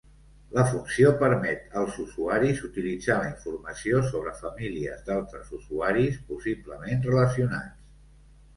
La funció permet als usuaris utilitzar la informació sobre famílies d'altres usuaris, possiblement relacionats.